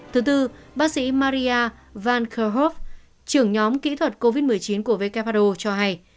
thứ tư bác sĩ maria van koehove trưởng nhóm kỹ thuật covid một mươi chín của vkpro cho hay